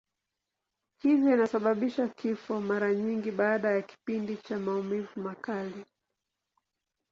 Hivyo inasababisha kifo, mara nyingi baada ya kipindi cha maumivu makali.